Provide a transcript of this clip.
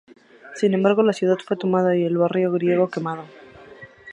Sin embargo, la ciudad fue tomada y el barrio griego quemado.